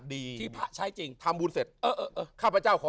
ดีที่พระใช้จริงทำบุญเสร็จเออเออข้าพเจ้าขอ